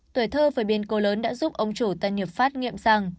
tuyệt thơ với biên cố lớn đã giúp ông chủ tân hiệp pháp nghiệm rằng